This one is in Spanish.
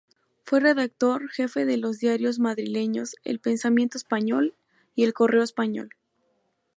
Fue redactor jefe de los diarios madrileños "El Pensamiento Español" y "El Correo Español".